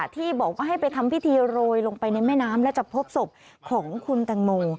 ที่บอกว่าให้ไปทำพิธีโรยลงไปในแม่น้ำและจะพบศพของคุณแตงโม